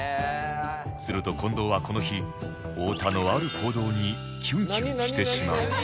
すると近藤はこの日太田のある行動にキュンキュンしてしまう